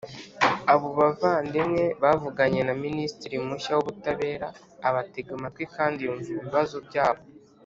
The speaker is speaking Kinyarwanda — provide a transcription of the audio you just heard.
Abo bavandimwe bavuganye na Minisitiri mushya w Ubutabera abatega amatwi kandi yumva ibibazo byabo